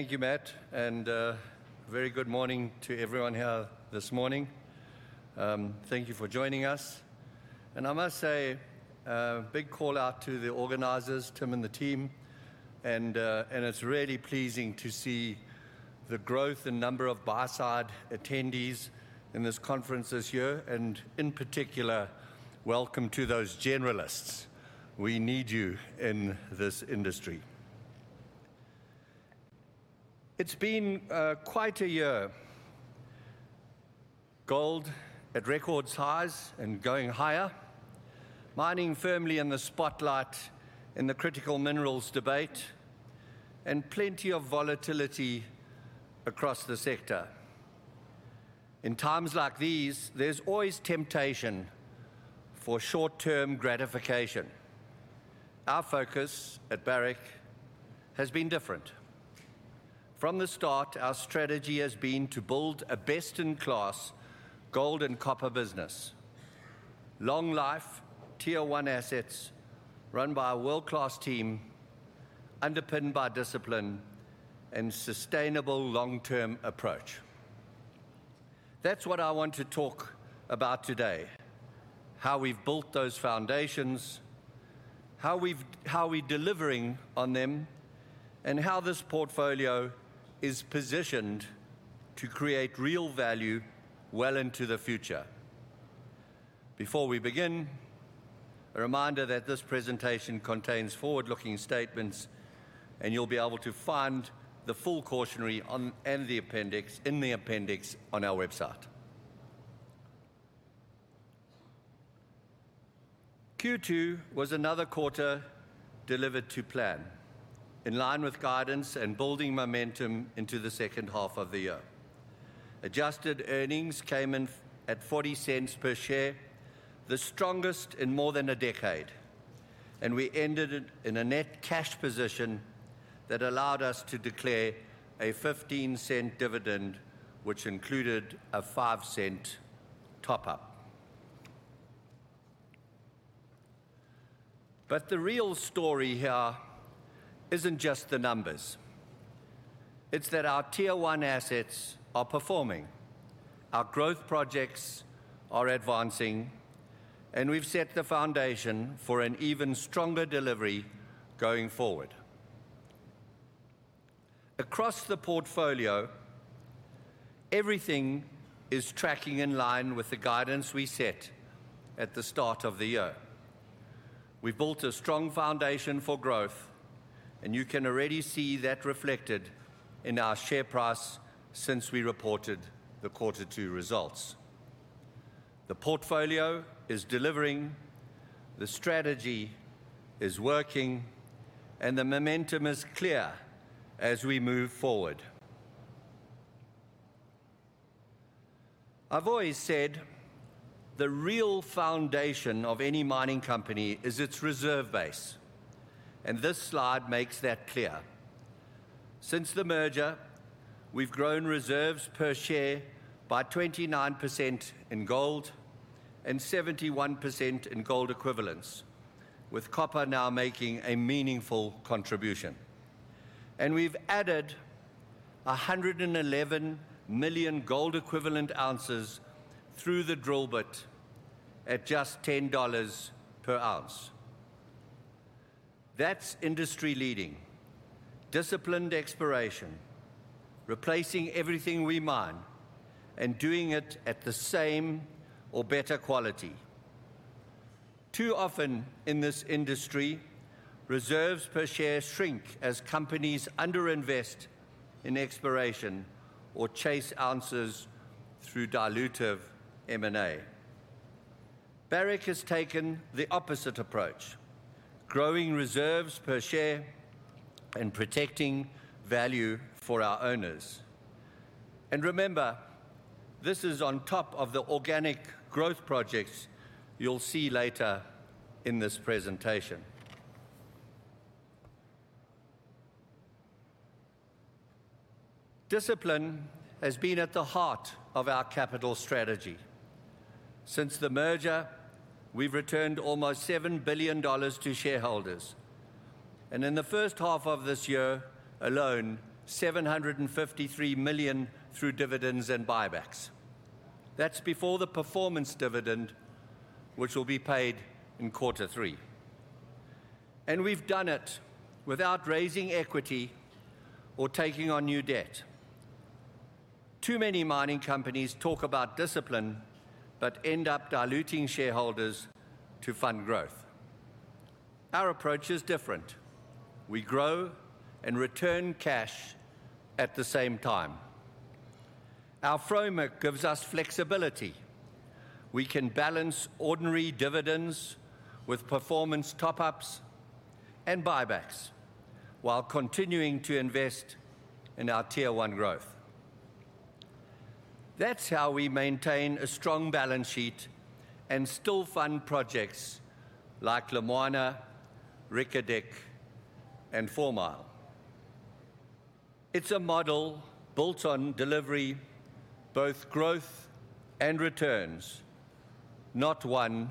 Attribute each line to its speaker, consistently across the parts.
Speaker 1: Thank you, Matt. And very good morning to everyone here this morning. Thank you for joining us. And I must say, big call out to the organizers, Tim and the team. And it's really pleasing to see the growth in number of buy-side attendees in this conference this year. And in particular, welcome to those generalists. We need you in this industry. It's been quite a year. Gold at record highs and going higher, mining firmly in the spotlight in the critical minerals debate, and plenty of volatility across the sector. In times like these, there's always temptation for short-term gratification. Our focus at Barrick has been different. From the start, our strategy has been to build a best-in-class gold and copper business, long-life, Tier One assets run by a world-class team, underpinned by discipline and a sustainable long-term approach. That's what I want to talk about today: how we've built those foundations, how we're delivering on them, and how this portfolio is positioned to create real value well into the future. Before we begin, a reminder that this presentation contains forward-looking statements, and you'll be able to find the full cautionary and the appendix on our website. Q2 was another quarter delivered to plan, in line with guidance and building momentum into the second half of the year. Adjusted earnings came in at $0.40 per share, the strongest in more than a decade. And we ended in a net cash position that allowed us to declare a $0.15 dividend, which included a $0.05 top-up. But the real story here isn't just the numbers. It's that our Tier-one assets are performing, our growth projects are advancing, and we've set the foundation for an even stronger delivery going forward. Across the portfolio, everything is tracking in line with the guidance we set at the start of the year. We've built a strong foundation for growth, and you can already see that reflected in our share price since we reported the quarter two results. The portfolio is delivering, the strategy is working, and the momentum is clear as we move forward. I've always said the real foundation of any mining company is its reserve base. This slide makes that clear. Since the merger, we've grown reserves per share by 29% in gold and 71% in gold equivalents, with copper now making a meaningful contribution. We've added 111 million gold equivalent ounces through the drill bit at just $10 per ounce. That's industry-leading, disciplined exploration, replacing everything we mine, and doing it at the same or better quality. Too often in this industry, reserves per share shrink as companies underinvest in exploration or chase ounces through dilutive M&A. Barrick has taken the opposite approach: growing reserves per share and protecting value for our owners. And remember, this is on top of the organic growth projects you'll see later in this presentation. Discipline has been at the heart of our capital strategy. Since the merger, we've returned almost $7 billion to shareholders. And in the first half of this year alone, $753 million through dividends and buybacks. That's before the performance dividend, which will be paid in quarter three. And we've done it without raising equity or taking on new debt. Too many mining companies talk about discipline but end up diluting shareholders to fund growth. Our approach is different. We grow and return cash at the same time. Our framework gives us flexibility. We can balance ordinary dividends with performance top-ups and buybacks while continuing to invest in our tier-one growth. That's how we maintain a strong balance sheet and still fund projects like Lumwana, Reko Diq, and Fourmile. It's a model built on delivery, both growth and returns, not one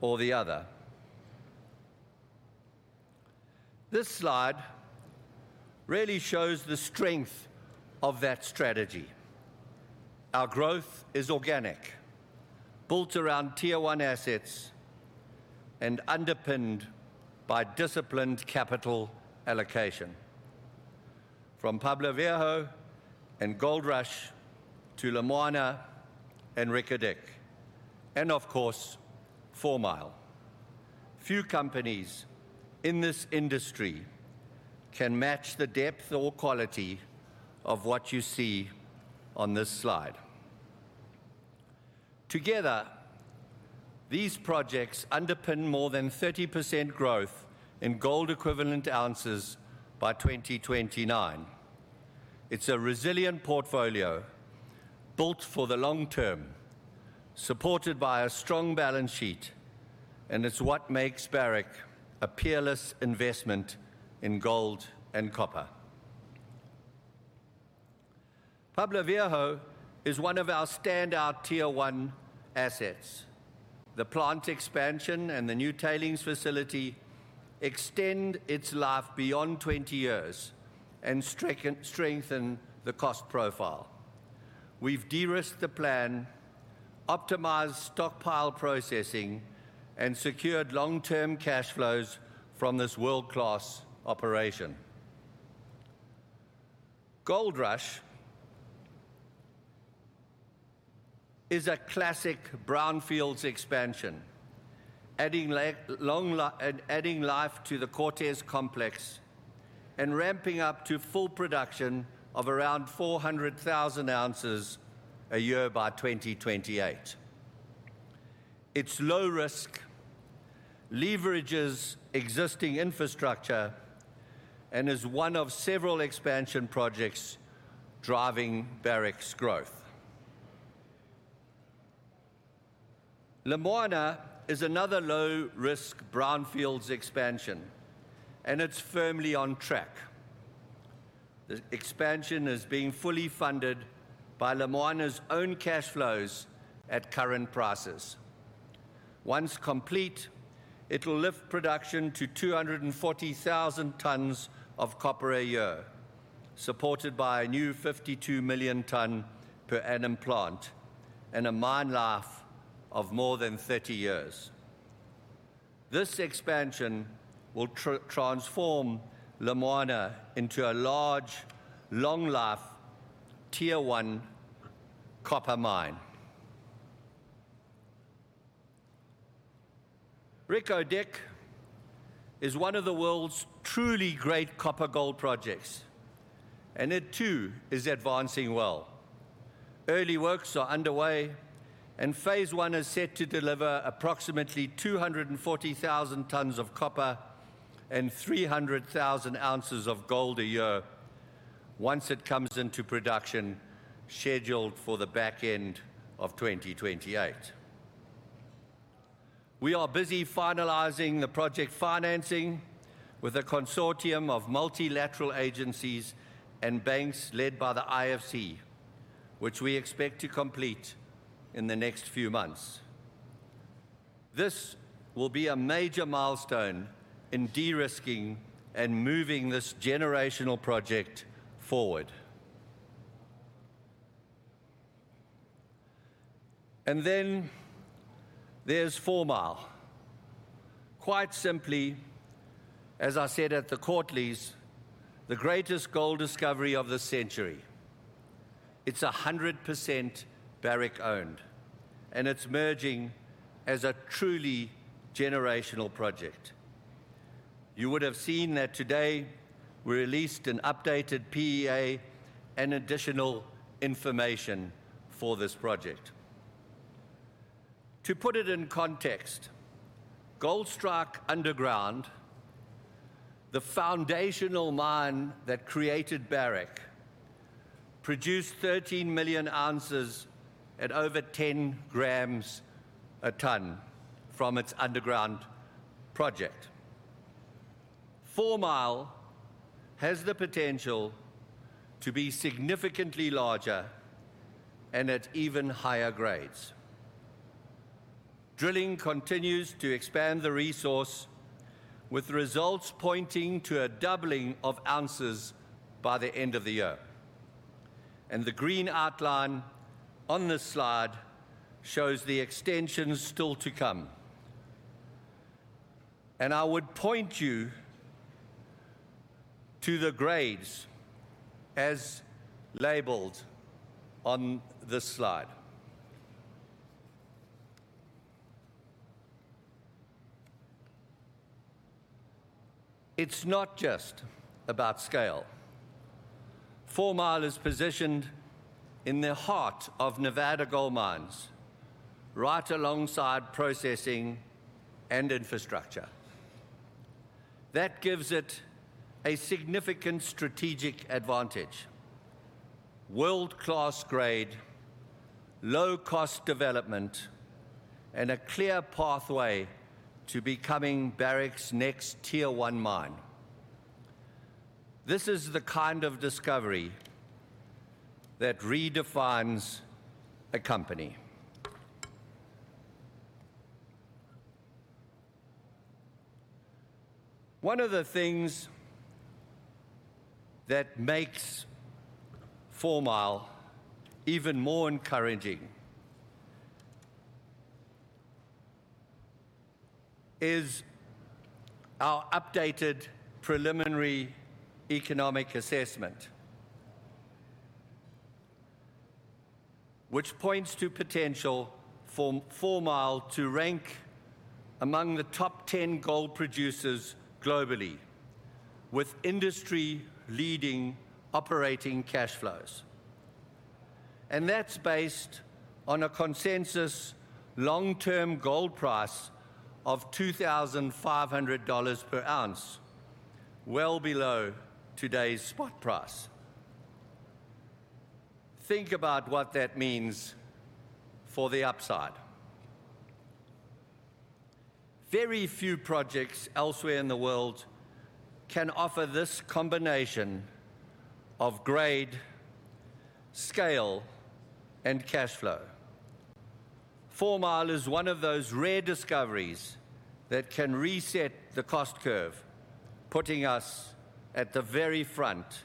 Speaker 1: or the other. This slide really shows the strength of that strategy. Our growth is organic, built around tier-one assets and underpinned by disciplined capital allocation. From Pueblo Viejo and Goldrush to Lumwana and Reko Diq, and of course, Fourmile. Few companies in this industry can match the depth or quality of what you see on this slide. Together, these projects underpin more than 30% growth in gold equivalent ounces by 2029. It's a resilient portfolio built for the long term, supported by a strong balance sheet, and it's what makes Barrick a peerless investment in gold and copper. Pueblo Viejo is one of our standout tier-one assets. The plant expansion and the new tailings facility extend its life beyond 20 years and strengthen the cost profile. We've de-risked the plan, optimized stockpile processing, and secured long-term cash flows from this world-class operation. Goldrush is a classic brownfields expansion, adding life to the Cortez complex and ramping up to full production of around 400,000 ounces a year by 2028. It's low risk, leverages existing infrastructure, and is one of several expansion projects driving Barrick's growth. Lumwana is another low-risk brownfields expansion, and it's firmly on track. The expansion is being fully funded by Lumwana's own cash flows at current prices. Once complete, it'll lift production to 240,000 tons of copper a year, supported by a new 52-million-tone per annum plant and a mine life of more than 30 years. This expansion will transform Lumwana into a large, long-life, tier-one copper mine. Reko Diq is one of the world's truly great copper-gold projects, and it too is advancing well. Early works are underway, and phase one is set to deliver approximately 240,000 tons of copper and 300,000 ounces of gold a year once it comes into production, scheduled for the back end of 2028. We are busy finalizing the project financing with a consortium of multilateral agencies and banks led by the IFC, which we expect to complete in the next few months. This will be a major milestone in de-risking and moving this generational project forward. Then there's Fourmile. Quite simply, as I said at the Courtly's, the greatest gold discovery of the century. It's 100% Barrick-owned, and it's emerging as a truly generational project. You would have seen that today we released an updated PEA and additional information for this project. To put it in context, Goldstrike Underground, the foundational mine that created Barrick, produced 13 million ounces at over 10 grams a ton from its underground project. Fourmile has the potential to be significantly larger and at even higher grades. Drilling continues to expand the resource, with results pointing to a doubling of ounces by the end of the year. The green outline on this slide shows the extension still to come. I would point you to the grades, as labeled on this slide. It's not just about scale. Fourmile is positioned in the heart of Nevada Gold Mines, right alongside processing and infrastructure. That gives it a significant strategic advantage: world-class grade, low-cost development, and a clear pathway to becoming Barrick's next tier-one mine. This is the kind of discovery that redefines a company. One of the things that makes Fourmile even more encouraging is our updated preliminary economic assessment, which points to potential for Fourmile to rank among the top 10 gold producers globally, with industry-leading operating cash flows. And that's based on a consensus long-term gold price of $2,500 per ounce, well below today's spot price. Think about what that means for the upside. Very few projects elsewhere in the world can offer this combination of grade, scale, and cash flow. Fourmile is one of those rare discoveries that can reset the cost curve, putting us at the very front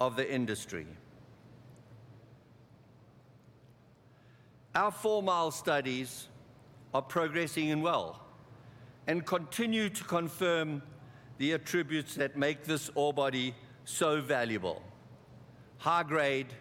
Speaker 1: of the industry. Our Fourmile studies are progressing well and continue to confirm the attributes that make this ore body so valuable: high grade,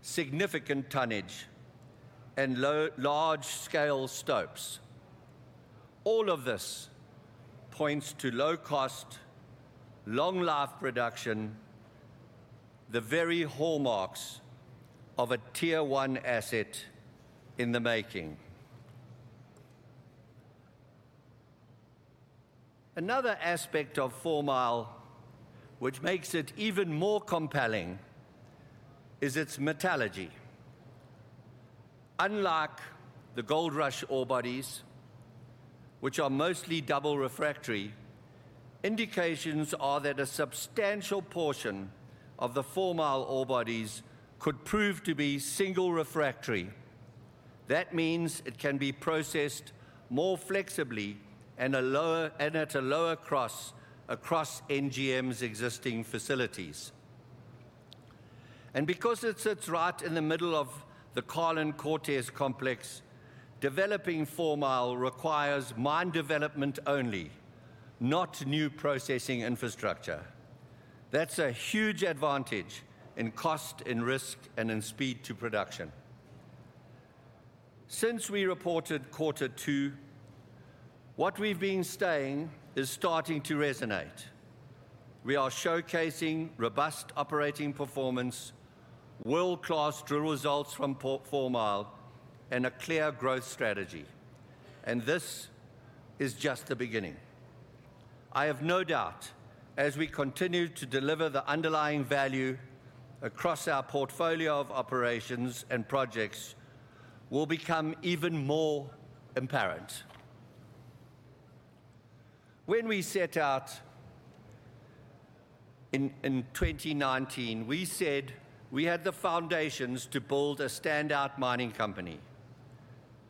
Speaker 1: significant tonnage, and large-scale stopes. All of this points to low cost, long-life production, the very hallmarks of a tier-one asset in the making. Another aspect of Fourmile, which makes it even more compelling, is its metallurgy. Unlike the Goldrush ore bodies, which are mostly double refractory, indications are that a substantial portion of the Fourmile ore bodies could prove to be single refractory. That means it can be processed more flexibly and at a lower cost across NGM's existing facilities. And because it sits right in the middle of the Carlin-Cortez complex, developing Fourmile requires mine development only, not new processing infrastructure. That's a huge advantage in cost, in risk, and in speed to production. Since we reported quarter two, what we've been saying is starting to resonate. We are showcasing robust operating performance, world-class drill results from Fourmile, and a clear growth strategy. And this is just the beginning. I have no doubt, as we continue to deliver the underlying value across our portfolio of operations and projects, we'll become even more apparent. When we set out in 2019, we said we had the foundations to build a standout mining company.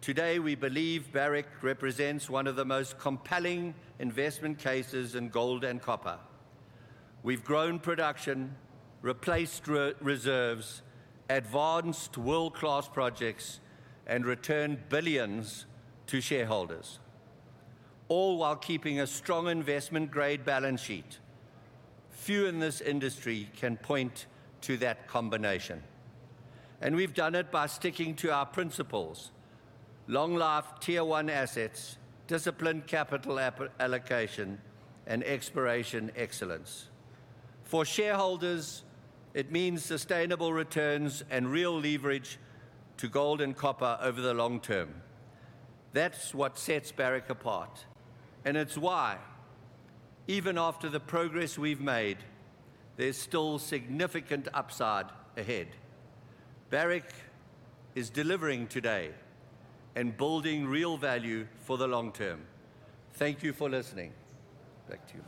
Speaker 1: Today, we believe Barrick represents one of the most compelling investment cases in gold and copper. We've grown production, replaced reserves, advanced world-class projects, and returned billions to shareholders, all while keeping a strong investment-grade balance sheet. Few in this industry can point to that combination. And we've done it by sticking to our principles: long-life, tier-one assets, disciplined capital allocation, and exploration excellence. For shareholders, it means sustainable returns and real leverage to gold and copper over the long term. That's what sets Barrick apart. And it's why, even after the progress we've made, there's still significant upside ahead. Barrick is delivering today and building real value for the long term. Thank you for listening. Back to you.